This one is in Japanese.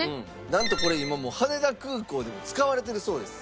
なんとこれ今もう羽田空港で使われてるそうです。